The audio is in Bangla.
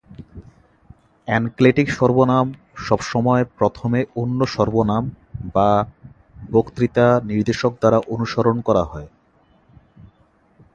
এনক্লেটিক সর্বনাম সবসময় প্রথমে অন্য সর্বনাম বা বক্তৃতা নির্দেশক দ্বারা অনুসরণ করা হয়।